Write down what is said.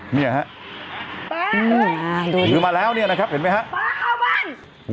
หันลืมมาแล้วนะครับเห็นไหมครับ